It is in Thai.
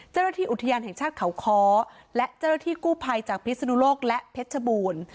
เจ้าหน้าที่อุทยานแห่งชาติเขาค้อและเจ้าหน้าที่กู้ภัยจากพิศนุโลกและเพชรบูรณ์